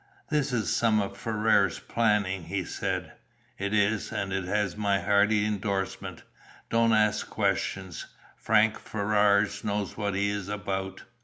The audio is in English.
"This is some of Ferrars' planning," he said. "It is, and it has my hearty endorsement. Don't ask questions. Frank Ferrars knows what he is about."